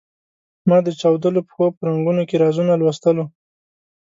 ما د چاودلو پښو په رنګونو کې رازونه لوستلو.